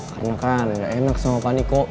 karena kan gak enak sama pak niko